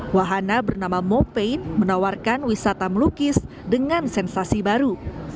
wahana bernama mopaint menawarkan wisata melukis dengan sensasi baru